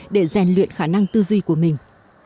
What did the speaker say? để gian luyện khả năng tư duy của mình